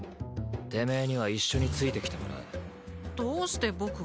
てめえには一緒について来てもらうどうして僕が？